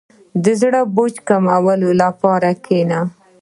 • د زړۀ د بوج کمولو لپاره کښېنه.